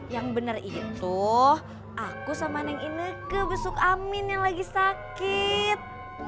yang benar itu aku sama neng ineke besuk amin yang lagi sakit